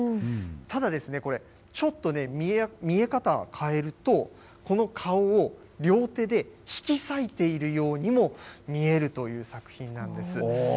ただ、これ、ちょっと見え方を変えると、この顔を両手で引き裂いているようにも見えるという作品なんです。